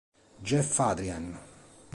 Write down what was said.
Jeff Adrien